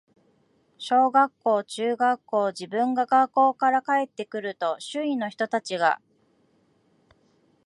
小学校、中学校、自分が学校から帰って来ると、周囲の人たちが、